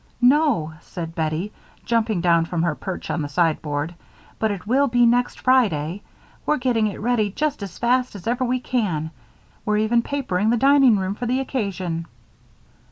"No," said Bettie, jumping down from her perch on the sideboard, "but it will be next Friday. We're getting it ready just as fast as ever we can. We're even papering the dining room for the occasion."